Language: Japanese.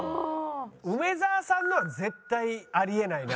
梅沢さんのは絶対あり得ないな。